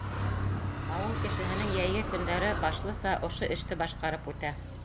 Ауыл кешеһенең йәйге көндәре башлыса ошо эште башҡарып үтә.